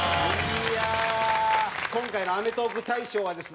今回のアメトーーク大賞はですね